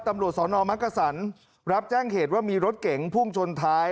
ตำรวจสอนอมักกษันรับแจ้งเหตุว่ามีรถเก๋งพุ่งชนท้าย